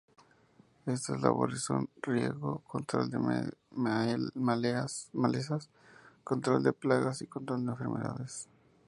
Estas labores son: riego, control de malezas, control de plagas y control de enfermedades.